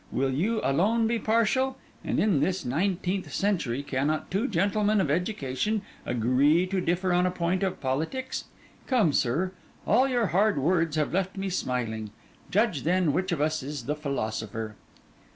will you alone be partial? and in this nineteenth century, cannot two gentlemen of education agree to differ on a point of politics? Come, sir: all your hard words have left me smiling; judge then, which of us is the philosopher!